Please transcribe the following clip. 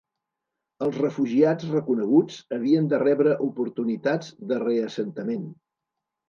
Els refugiats reconeguts havien de rebre oportunitats de reassentament.